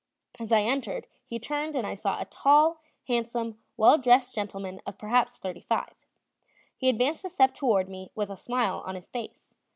As I entered, he turned and I saw a tall, handsome, well dressed gentleman of perhaps thirty five; he advanced a step toward me with a smile on his face.